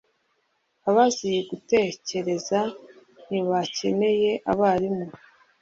abazi gutekereza ntibakeneye abarimu.